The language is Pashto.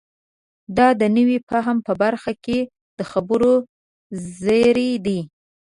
دا د نوي فهم په برخه کې د خبرو زړی دی.